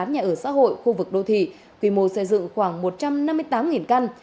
nhà ở xã hội khu vực đô thị quy mô xây dựng khoảng một trăm năm mươi tám căn